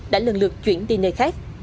đã lần lượt chuyển đi nơi khác